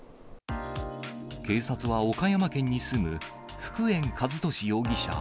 警察は岡山県に住む福円和寿容疑者